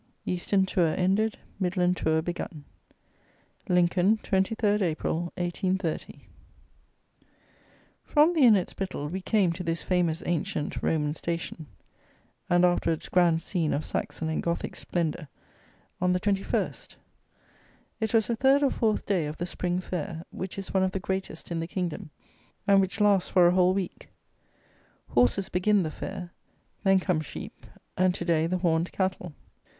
EASTERN TOUR ENDED, MIDLAND TOUR BEGUN. Lincoln, 23rd April 1830. From the inn at Spittal we came to this famous ancient Roman station, and afterwards grand scene of Saxon and Gothic splendour, on the 21st. It was the third or fourth day of the Spring fair, which is one of the greatest in the kingdom, and which lasts for a whole week. Horses begin the fair; then come sheep; and to day, the horned cattle.